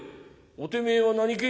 おてめえは何け？」。